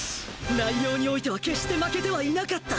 内容に於いては決して負けてはいなかった！